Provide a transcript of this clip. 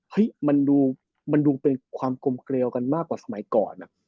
มันดูเป็นความกลมเกลียวกันมากกว่าสมัยก่อน